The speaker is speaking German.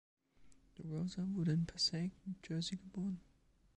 DeRosa wurde in Passaic, New Jersey geboren.